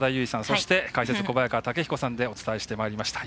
そして、解説、小早川毅彦さんでお伝えしてまいりました。